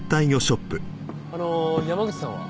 あの山口さんは？